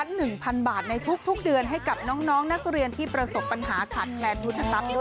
ทุนละ๑๐๐๐บาทในทุกเดือนให้กับน้องนักเรียนที่ประสบปัญหาขาดแมนมุตตัปด้วยค่ะ